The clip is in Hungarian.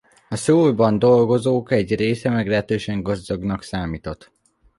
A Szöulban dolgozó ok egy része meglehetősen gazdagnak számított.